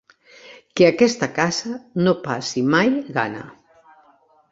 Que aquesta casa no passi mai gana.